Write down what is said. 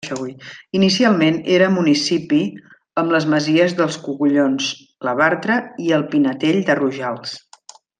Inicialment era municipi amb les masies dels Cogullons, la Bartra i el Pinetell de Rojals.